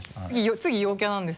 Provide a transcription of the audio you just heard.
次陽キャなんです。